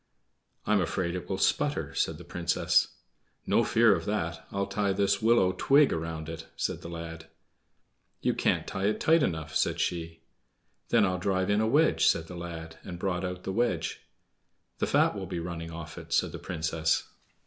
"I'm afraid it will sputter," said the Princess. "No fear of that! I'll tie this willow twig round it," said the lad. "You can't tie it tight enough," said she. "Then I'll drive in a wedge," said the lad, and brought out the wedge. "The fat will be running off it," said the Princess.